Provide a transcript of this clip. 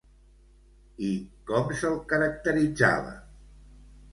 I com se'l caracteritzava?